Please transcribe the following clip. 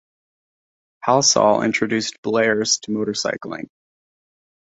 Halsall introduced Blears to motorcycling.